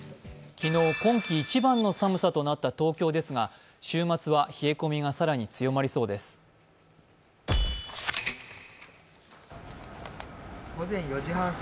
昨日今季一番の寒さとなった東京ですが週末は冷え込みが更に強まりそうです。